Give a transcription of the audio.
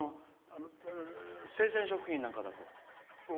生鮮食品なんかだと。